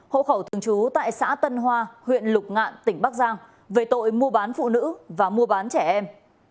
hộ khẩu thường trú tại xã tân hoa huyện lục ngạn tỉnh bắc giang về tội mua bán phụ nữ và mua bán trẻ em